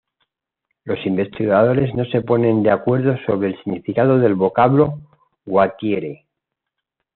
Los investigadores no se ponen de acuerdo sobre el significado del vocablo "guatire".